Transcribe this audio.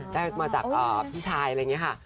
ได้มาจากพี่ชายอะไรอย่างนี้ค่ะ